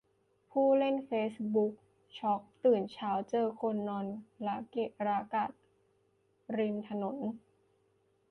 ผู้เล่นเฟซบุ๊กช็อก ตื่นเช้าเจอคนนอนระเกะระกะริมถนน